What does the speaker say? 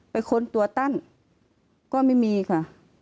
ค้นตัวตั้นก็ไม่มีค่ะ